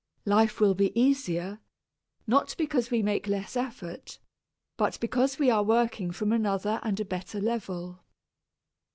Life will be easier, not because we make less effort, but because we are working from another and a better level.